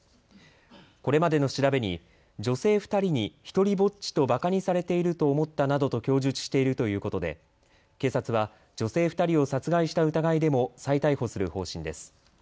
これまでの調べに女性２人に独りぼっちとばかにされていると思ったなどと供述しているということで警察は女性２人を殺害した疑いでも再逮捕する方針です。